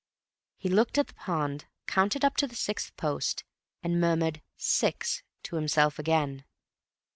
He looked at the pond, counted up to the sixth post, and murmured "six" to himself again.